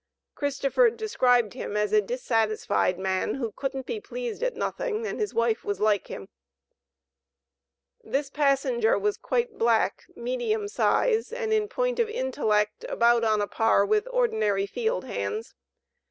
Christopher described him as "a dissatisfied man, who couldn't be pleased at nothing and his wife was like him." This passenger was quite black, medium size, and in point of intellect, about on a par with ordinary field hands.